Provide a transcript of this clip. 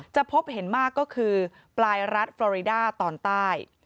พบเห็นมากก็คือปลายรัฐฟรอริดาตอนใต้